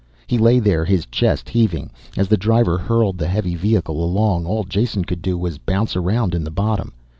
He lay there, his chest heaving. As the driver hurled the heavy vehicle along, all Jason could do was bounce around in the bottom.